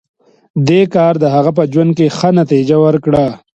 دې کار د هغه په ژوند کې ښه نتېجه ورکړه